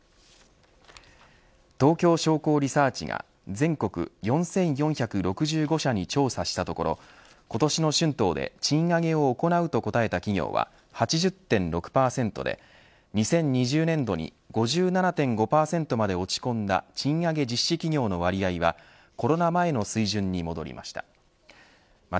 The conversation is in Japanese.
東京商工リサーチが全国４４６５社に調査したところ今年の春闘で賃上げを行うと答えた企業は８０．６％で２０２０年度に５７．５％まで落ち込んだ賃上げ実施企業の割合はコロナ前の水準に戻りました。